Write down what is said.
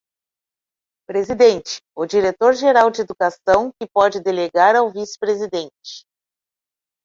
Presidente: o Diretor Geral de Educação, que pode delegar ao Vice-Presidente.